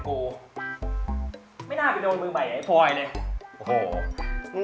ชื่อฟอยแต่ไม่ใช่แฟง